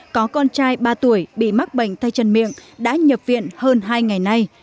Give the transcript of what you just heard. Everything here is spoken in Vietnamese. có con trai ba tuổi bị mắc bệnh tay chân miệng đã nhập viện hơn hai ngày nay